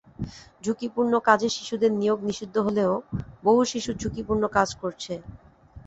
ঝুঁকিপূর্ণ কাজে শিশুদের নিয়োগ নিষিদ্ধ হলেও বহু শিশু ঝুঁকিপূর্ণ কাজ করছে।